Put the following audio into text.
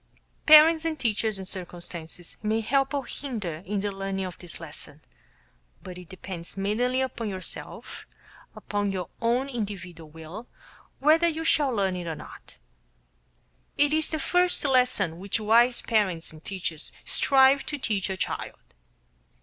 Parents and teachers and circumstances may help or hinder in the learning of this lesson; but it depends mainly upon yourself, upon your own individual will, whether you shall learn it or not. It is the first lesson which wise parents and teachers strive to teach a child.